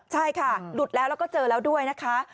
ใช่ค่ะหลุดแล้วแล้วก็เจอแล้วด้วยนะคะ